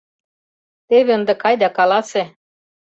Теве ынде кай да каласе!